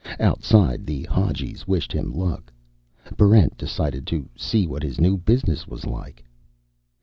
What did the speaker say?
Outside, the Hadjis wished him luck. Barrent decided to see what his new business was like.